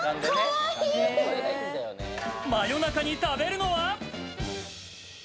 真夜中に食べるのは。